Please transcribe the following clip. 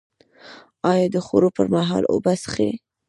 ایا د خوړو پر مهال اوبه څښئ؟